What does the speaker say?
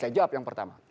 saya jawab yang pertama